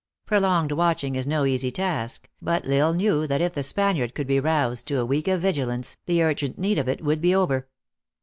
Prolonged watching is no easy task, but L Isle knew that if the Spaniard could be roused to a week of vigilance, the urgent need of it would be over.